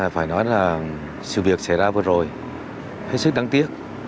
phải nói là sự việc xảy ra vừa rồi hết sức đáng tiếc